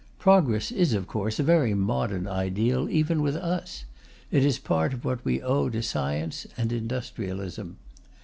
Progress is, of course, a very modern ideal even with us; it is part of what we owe to science and industrialism.